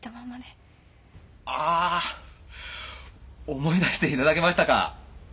あっ思い出していただけましたか。